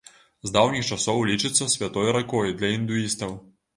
З даўніх часоў лічыцца святой ракой для індуістаў.